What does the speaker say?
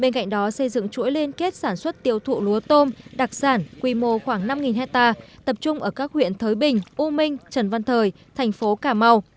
bên cạnh đó xây dựng chuỗi liên kết sản xuất tiêu thụ lúa tôm đặc sản quy mô khoảng năm hectare tập trung ở các huyện thới bình u minh trần văn thời thành phố cà mau